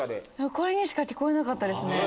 これにしか聞こえなかったですね。